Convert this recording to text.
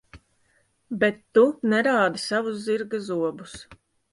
Bet tu nerādi savus zirga zobus.